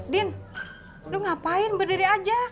din lu ngapain berdiri aja